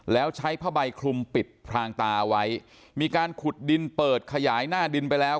แล้วใช้ผ้าใบคลุมปิดพรางตาเอาไว้มีการขุดดินเปิดขยายหน้าดินไปแล้ว